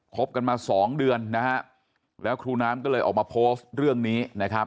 บกันมาสองเดือนนะฮะแล้วครูน้ำก็เลยออกมาโพสต์เรื่องนี้นะครับ